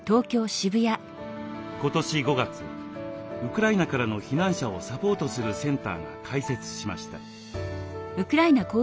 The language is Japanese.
今年５月ウクライナからの避難者をサポートするセンターが開設しました。